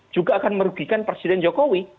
juga akan merugikan presiden jokowi